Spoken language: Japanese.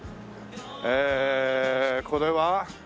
えーこれは？